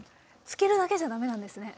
つけるだけじゃだめなんですね。